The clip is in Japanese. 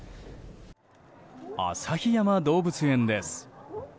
旭山動物園です。